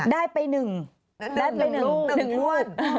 ได้ไปหนึ่งได้ไปหนึ่งรวด